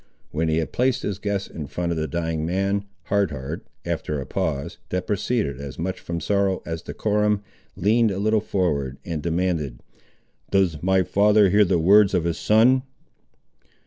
When he had placed his guests in front of the dying man, Hard Heart, after a pause, that proceeded as much from sorrow as decorum, leaned a little forward and demanded— "Does my father hear the words of his son?"